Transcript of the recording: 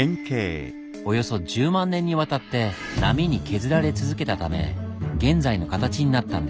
およそ１０万年にわたって波に削られ続けたため現在の形になったんです。